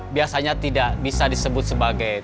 biasanya tidak bisa disebut sebagai